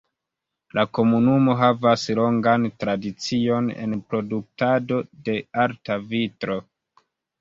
La komunumo havas longan tradicion en produktado de arta vitro.